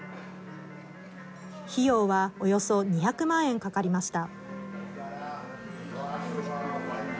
費用はおよそ２００万円かかりました。